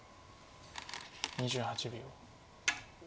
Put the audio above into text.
２８秒。